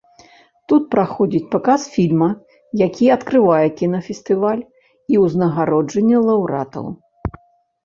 Тут праходзіць паказ фільма, які адкрывае кінафестываль, і ўзнагароджанне лаўрэатаў.